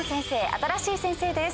新しい先生です。